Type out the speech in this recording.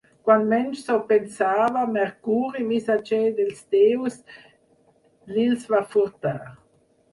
Quan menys s'ho pensava, Mercuri, missatger dels déus, li'ls va furtar.